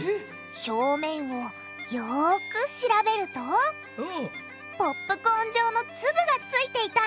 表面をよく調べるとポップコーン状の粒がついていたんですって！